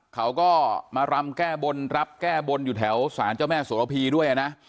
เขาก็มารำแก้บนรับแก้บนอยู่แถวสารเจ้าแม่สวรพีด้วยนะ